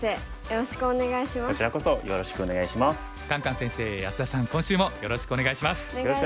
よろしくお願いします。